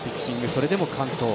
それでも完投。